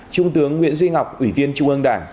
trung tướng nguyễn duy ngọc ủy viên trung ương đảng